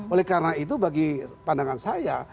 oleh karena itu bagi pandangan saya